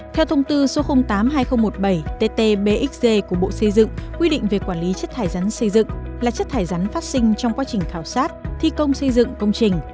theo thông tư số tám hai nghìn một mươi bảy tt bxg của bộ xây dựng quy định về quản lý chất thải rắn xây dựng là chất thải rắn phát sinh trong quá trình khảo sát thi công xây dựng công trình